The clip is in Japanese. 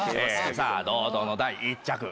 さあ堂々の第１着。